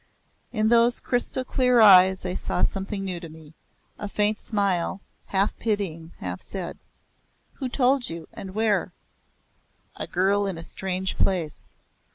In those crystal clear eyes I saw a something new to me a faint smile, half pitying, half sad; "Who told you, and where?" "A girl in a strange place.